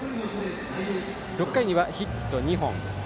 ６回にはヒット２本。